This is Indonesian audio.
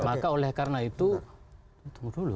maka oleh karena itu tunggu dulu